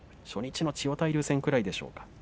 初日の千代大龍戦ぐらいでしょうか。